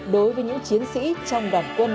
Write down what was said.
đối với những chiến sĩ trong đoàn quân